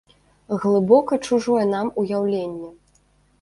Глыбока чужое нам уяўленне.